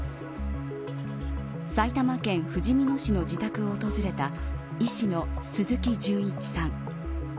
埼玉県ふじみ野市の自宅を訪れた医師の鈴木純一さん